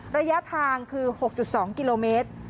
ระยะทางคือ๖๒กิโลเมตร